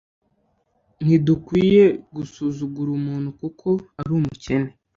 Ntidukwiye gusuzugura umuntu kuko ari umukene.